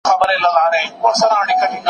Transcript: زموږ په هېواد کې پخوا د کلا معمارۍ ډېره دود وه.